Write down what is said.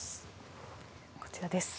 こちらです。